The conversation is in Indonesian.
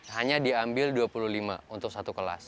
hanya diambil dua puluh lima untuk satu kelas